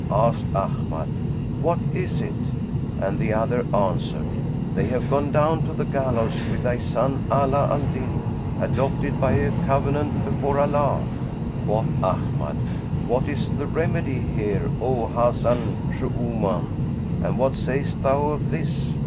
Asked Ahmad, "What is it?" and the other answered, "They have gone down to the gallows with thy son Ala al Din, adopted by a covenant before Allah!" Quoth Ahmad, "What is the remedy here, O Hasan Shuuman, and what sayst thou of this?"